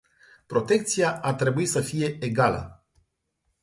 Protecția ar trebui să fie egală.